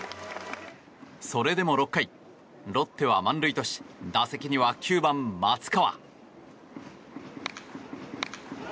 それでも６回、ロッテは満塁とし打席には９番、松川。